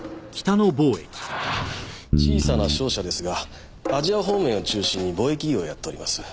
小さな商社ですがアジア方面を中心に貿易業をやっております。